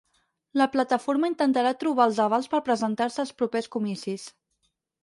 La plataforma intentarà trobar els avals per presentar-se als propers comicis